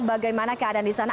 bagaimana keadaan di sana